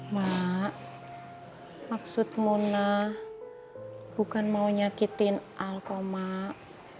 mak maksud munah bukan mau nyakitin al kok mak